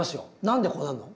何でこうなるの？